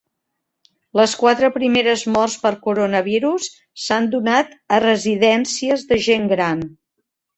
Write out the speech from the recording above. Les quatre primeres morts per coronavirus s'han donat a residències de gent gran